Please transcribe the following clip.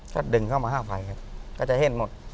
ก็ดึงเข้ามาภาพไฟครับก็จะเห้นหมด